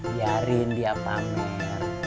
biarin dia tamer